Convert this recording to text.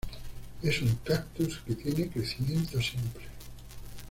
Es un cactus que tiene crecimiento simple.